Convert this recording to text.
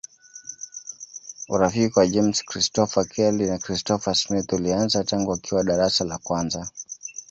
Urafiki wa James Christopher Kelly na Christopher Smith ulianza tangu wakiwa darasa la kwanza.